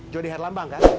jody herlamba kan